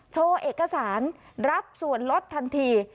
โชว์เอกสารรับส่วนลดทันที